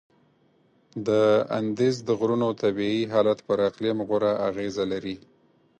د اندیز د غرونو طبیعي حالت پر اقلیم غوره اغیزه لري.